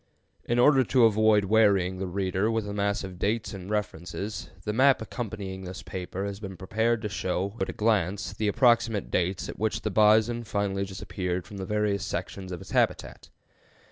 In order to avoid wearying the reader with a mass of dates and references, the map accompanying this paper has been prepared to show at a glance the approximate dates at which the bison finally disappeared from the various sections of its habitat.